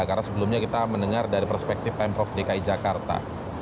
karena sebelumnya kita mendengar dari perspektif pemprov dki jakarta